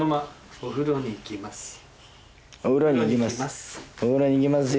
お風呂に行きますよ。